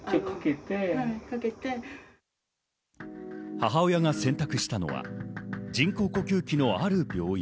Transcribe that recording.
母親が選択したのは人工呼吸器のある病院。